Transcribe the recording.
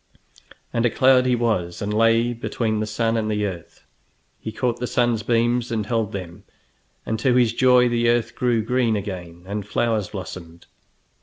And a cloud he was, and lay between the sun and the earth. He caught the sun's beams and held them, and to his joy the earth grew green again and flowers blossomed.